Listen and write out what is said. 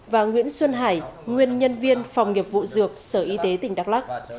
và nguyễn xuân hải nguyên nhân viên phòng nghiệp vụ dược sở y tế tỉnh đắk lắc